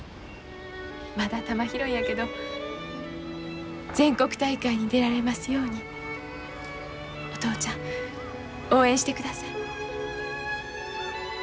まだ球拾いやけど全国大会に出られますようにお父ちゃん応援してください。